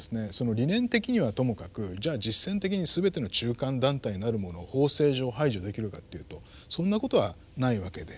理念的にはともかくじゃ実践的にすべての中間団体なるものを法制上排除できるかっていうとそんなことはないわけで。